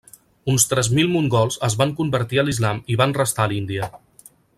Uns tres mil mongols es van convertir a l'islam i van restar a l'Índia.